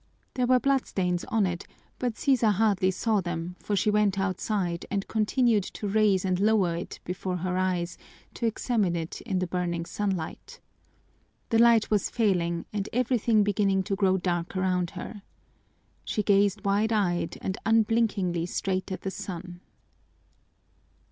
There were blood stains on it, but Sisa hardly saw them, for she went outside and continued to raise and lower it before her eyes to examine it in the burning sunlight. The light was failing and everything beginning to grow dark around her. She gazed wide eyed and unblinkingly straight at the sun.